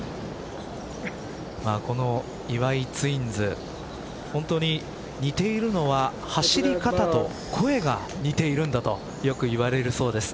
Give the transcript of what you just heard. この岩井ツインズ本当に似ているのは走り方と声が似ているんだとよくいわれるそうです。